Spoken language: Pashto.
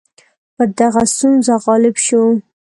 پر دغه ستونزه غالب شو.